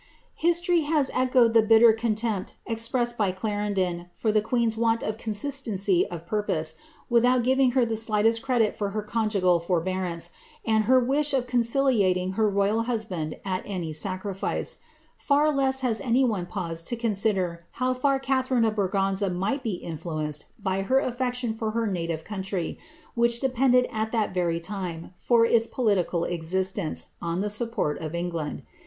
^' [las echoed the bitter contempt expressed by Clarendon for i want of consistency of purpose, without giving her the edit for her conjugal forbearance, and her wish of conciliating lusband at any sacriiice ; far less has any one paused to con ar Catharine of Braganza might be influenced by her affection ve country, which depended at that very time, for its politics m the support of England.